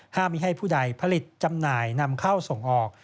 ไม่ให้ผู้ใดผลิตจำหน่ายนำเข้าส่งออก